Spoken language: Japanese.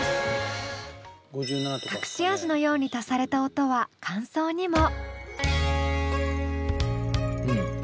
隠し味のように足された音は間奏にも。